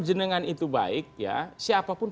jenengan itu baik ya siapapun